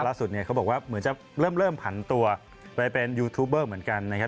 เนี่ยเขาบอกว่าเหมือนจะเริ่มผันตัวไปเป็นยูทูบเบอร์เหมือนกันนะครับ